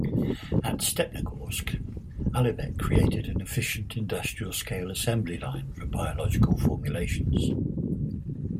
At Stepnogorsk, Alibek created an efficient industrial scale assembly line for biological formulations.